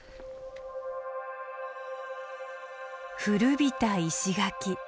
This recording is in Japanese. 古びた石垣。